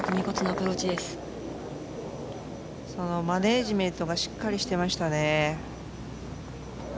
マネージメントがしっかりしていましたね。